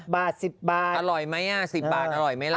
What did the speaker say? บาท๑๐บาทอร่อยไหม๑๐บาทอร่อยไหมล่ะ